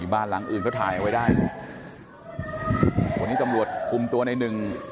บ้านหลังอื่นเขาถ่ายเอาไว้ได้วันนี้ตำรวจคุมตัวในหนึ่ง